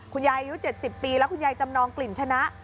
อายุ๗๐ปีแล้วคุณยายจำนองกลิ่นชนะ